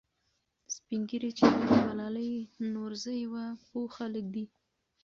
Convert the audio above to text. سپین ږیري چې وایي ملالۍ نورزۍ وه، پوه خلک دي.